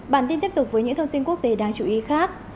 bản tin tiếp tục với những thông tin quốc tế đáng chú ý khác